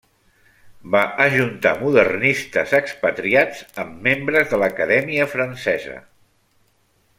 Va ajuntar modernistes expatriats amb membres de l'Acadèmia Francesa.